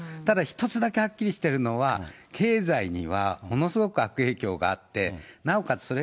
ただ一つだけはっきりしてるのは、経済にはものすごく悪影響があって、なおかつ